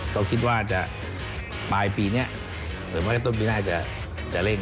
เราคิดว่าไปปีช่วงนี้หรือว่าต้นปีหน้าจะเล่น